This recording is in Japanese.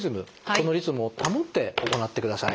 このリズムを保って行ってください。